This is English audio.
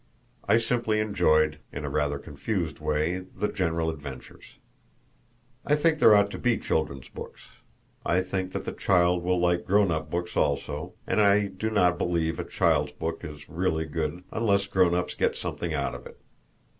I simply enjoyed in a rather confused way the general adventures. I think there ought to be children's books. I think that the child will like grown up books also, and I do not believe a child's book is really good unless grown ups get something out of it.